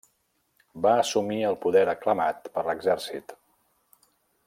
Va assumir el poder aclamat per l'exèrcit.